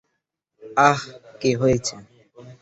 আহহ, কি হয়েছে?